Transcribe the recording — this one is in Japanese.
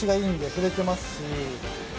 振れていますし。